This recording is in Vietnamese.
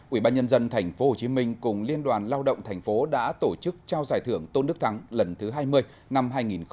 ubnd tp hcm cùng liên đoàn lao động tp hcm đã tổ chức trao giải thưởng tôn đức thắng lần thứ hai mươi năm hai nghìn hai mươi